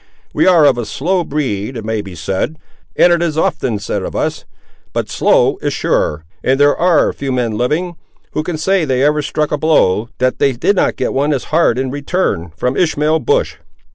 We ar' of a slow breed, it may be said, and it is often said, of us; but slow is sure; and there ar' few men living, who can say they ever struck a blow, that they did not get one as hard in return, from Ishmael Bush."